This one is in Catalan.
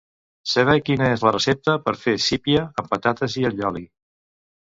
Saber quina és la recepta per fer sípia amb patates i allioli.